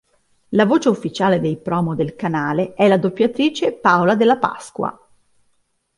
La voce ufficiale dei promo del canale è la doppiatrice Paola Della Pasqua.